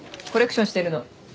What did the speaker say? コレクションしてるの。